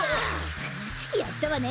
やったわね！